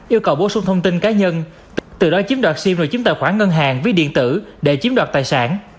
yêu cầu bổ sung thông tin cá nhân từ đó chiếm đoạt sim và chiếm tài khoản ngân hàng ví điện tử để chiếm đoạt tài sản